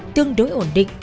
tương đối ổn định